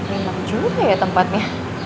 enak juga ya tempatnya